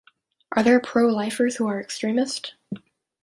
Are there pro-lifers who are extremist?